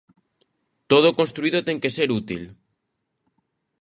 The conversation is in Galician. Todo o construído ten que ser útil.